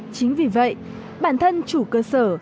chính vì vậy bản thân chủ cơ sở